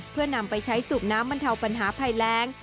เพื่อนำไปใช้สูบน้ำบรรเทาปัญหาภัยแรง